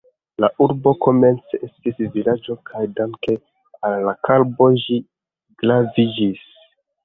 La urbo komence estis vilaĝo kaj danke al la karbo ĝi graviĝis.